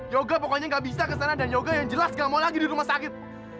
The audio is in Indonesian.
yoga pokoknya nggak bisa kesana dan yoga yang jelas gak mau lagi di rumah sakit